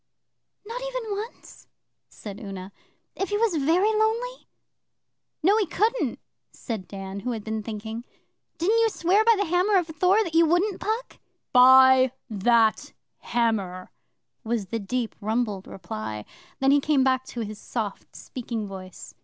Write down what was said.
'Not even once?' said Una. 'If he was very lonely?' 'No, he couldn't,' said Dan, who had been thinking. 'Didn't you swear by the Hammer of Thor that you wouldn't, Puck?' 'By that Hammer!' was the deep rumbled reply. Then he came back to his soft speaking voice.